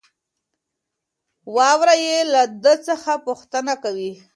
وراره يې له ده څخه پوښتنه کوي.